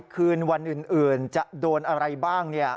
คืนวันอื่นจะโดนอะไรบ้าง